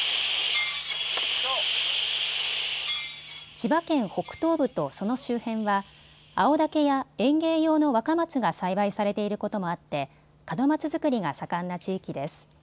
千葉県北東部とその周辺は青竹や園芸用の若松が栽培されていることもあって門松作りが盛んな地域です。